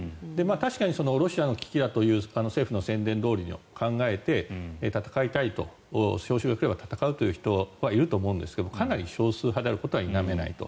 確かにロシアの危機だという政府の宣伝どおりに考えて戦いたいと、招集が来れば戦うという人はいると思うんですがかなり少数派であることは否めないと。